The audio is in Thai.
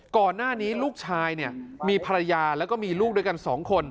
ก่อนหน้านี้ลูกชายเนี่ยมีภรรยาแล้วก็มีลูกด้วยกัน๒คน